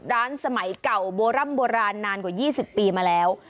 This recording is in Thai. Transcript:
ร้านสมัยเก่าโบร่ำนานกว่า๒๐ปีมาแล้ว